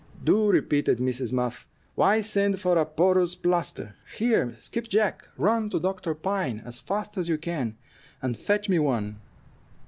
"Do," repeated Mrs. Muff; "why, send for a porous plaster. Here, Skipjack, run to Dr. Pine as fast as you can, and fetch me one."